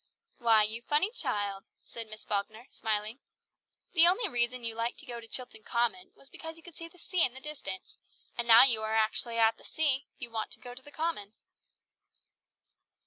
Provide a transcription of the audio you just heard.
"Why, you funny child!" said Miss Falkner, smiling. "The only reason you liked to go to Chilton Common was because you could see the sea in the distance; and now you are actually at the sea, you want to go to the Common."